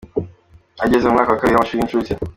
Ageze mu mwaka wa kabiri w’amashuri y’incuke.